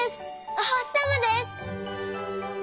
おほしさまです！